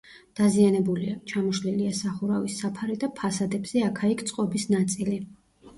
დაზიანებულია: ჩამოშლილია სახურავის საფარი და ფასადებზე აქა-იქ წყობის ნაწილი.